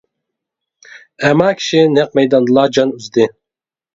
ئەما كىشى نەق مەيداندىلا جان ئۈزدى.